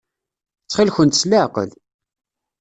Ttxil-kent s leɛqel.